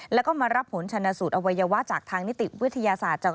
แล้วก็มารับผลชนสูตรอวัยวะจากทางนิติวิทยาศาสตร์